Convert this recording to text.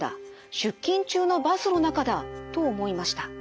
出勤中のバスの中だ」と思いました。